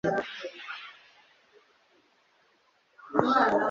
Umuganwakazi aho washimishije abahanzi nabasizi